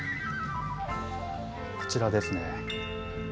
こちらですね。